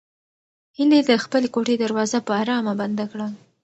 هیلې د خپلې کوټې دروازه په ارامه بنده کړه.